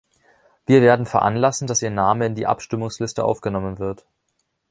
Wir werden veranlassen, dass Ihr Name in die Abstimmungsliste aufgenommen wird.